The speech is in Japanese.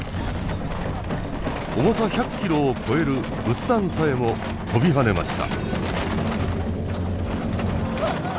重さ１００ｋｇを超える仏壇さえも飛び跳ねました。